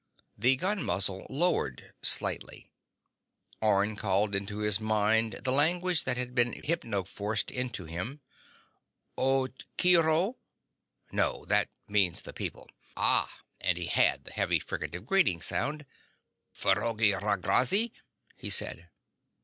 The gun muzzle lowered slightly. Orne called into his mind the language that had been hypnoforced into him. Ocheero? No. That means 'The People.' Ah ... And he had the heavy fricative greeting sound. "Ffroiragrazzi," he said.